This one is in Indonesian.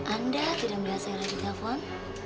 anda tidak melihat saya lagi telepon